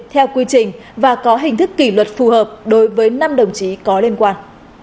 theo quy trình và có hình thức kỷ luật phù hợp đối với năm đồng chí có liên quan